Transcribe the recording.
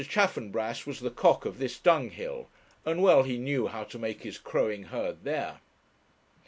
Chaffanbrass was the cock of this dunghill, and well he knew how to make his crowing heard there.